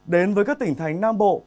đến với các tỉnh thánh nam bộ